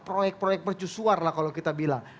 proyek proyek mercusuar lah kalau kita bilang